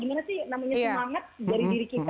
gimana sih namanya semangat dari diri kita